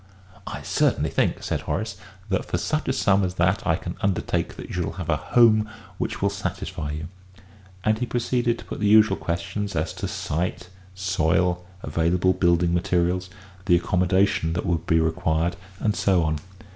"I certainly think," said Horace, "that for such a sum as that I can undertake that you shall have a home which will satisfy you." And he proceeded to put the usual questions as to site, soil, available building materials, the accommodation that would be required, and so on.